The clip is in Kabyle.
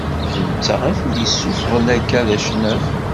D netta i t-id-yessufɣen akka d acennaf.